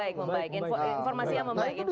informasinya membaik nah itu